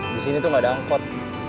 disini tuh gak ada angkot